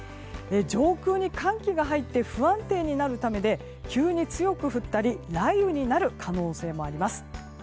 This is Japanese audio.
上空に寒気が入って不安定になるためで急に強く降ったり雷雨になる可能性もあります。